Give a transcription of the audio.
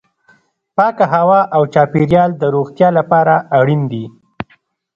پاکه هوا او چاپیریال د روغتیا لپاره اړین دي.